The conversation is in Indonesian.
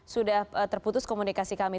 sudah terputus komunikasi kami